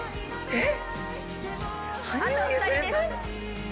えっ？